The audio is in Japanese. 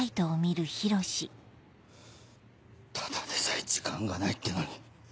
ただでさえ時間がないってのに。